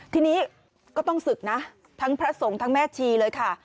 ทีนี้ก็ต้องศึกนะทั้งพระสงฆ์ทั้งแม่ชีเลยค่ะ